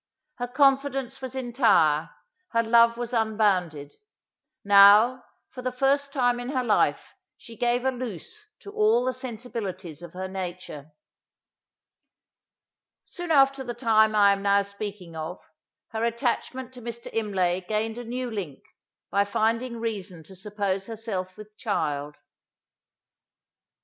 Her confidence was entire; her love was unbounded. Now, for the first time in her life she gave a loose to all the sensibilities of her nature. Soon after the time I am now speaking of, her attachment to Mr. Imlay gained a new link, by finding reason to suppose herself with child.